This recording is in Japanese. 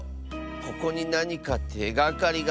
ここになにかてがかりがあるかも。